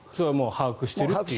把握していると。